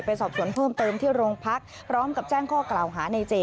สอบสวนเพิ่มเติมที่โรงพักพร้อมกับแจ้งข้อกล่าวหาในเจ